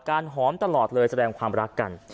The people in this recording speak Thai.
หอมตลอดเลยแสดงความรักกัน